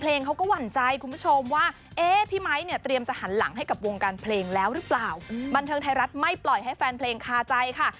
แล้วหรือเปล่าบันเทิงไทยรัฐไม่ปล่อยให้แฟนเพลงคาใจค่ะ